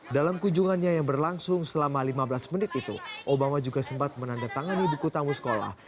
dalam kunjungannya yang berlangsung selama lima belas menit itu obama juga sempat menandatangani buku tamu sekolah